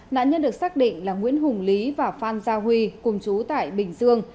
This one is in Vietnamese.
nạn nhân được xác định là nguyễn hùng lý và phan gia huy cùng chú tại bình dương